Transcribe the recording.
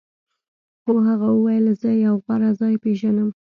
خو هغه وویل زه یو غوره ځای پیژنم